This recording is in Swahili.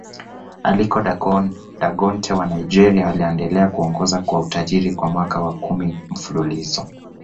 Aliko Dangote wa Nigeria anaendelea kuongoza kwa utajiri kwa mwaka wa Kumi mfululizo